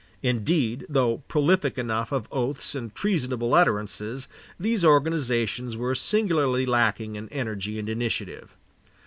Indeed, though prolific enough of oaths and treasonable utterances, these organizations were singularly lacking in energy and initiative.